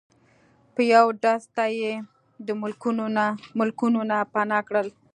په یو ډز ته یی د ملکونو نه پناه کړل